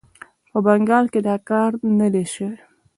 په بنګال کې دا کار نه دی سوی.